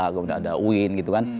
kemudian ada uin gitu kan